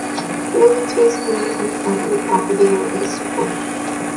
Buildings facing away from the front of the property are the least important.